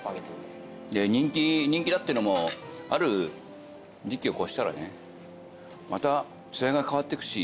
人気だってのもある時期を越したらねまた時代が変わってくし。